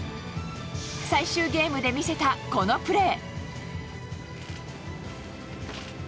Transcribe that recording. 最終ゲームで見せたこのプレー。